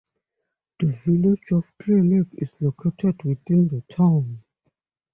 The Village of Clear Lake is located within the town.